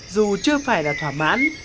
dù chưa phải là thỏa mãn